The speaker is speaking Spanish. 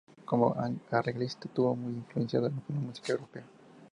Como arreglista, estuvo muy influenciado por la música europea.